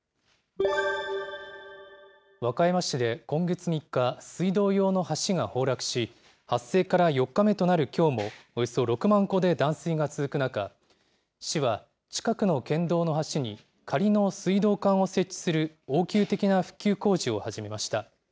和歌山市で今月３日、水道用の橋が崩落し、発生から４日目となるきょうも、およそ６万戸で断水が続く中、市は、近くの県道の橋に仮の水道管を設置する、応急的な復旧工事を始めました。